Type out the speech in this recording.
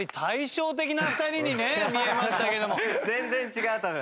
全然違う多分。